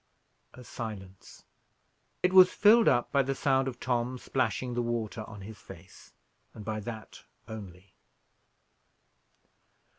A silence. It was filled up by the sound of Tom splashing the water on his face, and by that only.